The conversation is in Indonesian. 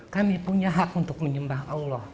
kami punya hak untuk menyembah allah